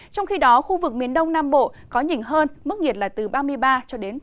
trong khi đó khu vực miền đông nam bộ có nhỉnh hơn mức nhiệt là từ ba mươi ba ba mươi bốn độ